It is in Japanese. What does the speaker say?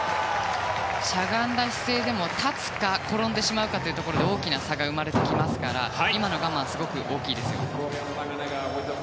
しゃがんだ姿勢でも立つか転んでしまうかというところで大きな差が生まれてきますから今の我慢はすごく大きいです。